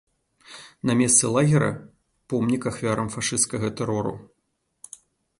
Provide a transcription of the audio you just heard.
На месцы лагера помнік ахвярам фашысцкага тэрору.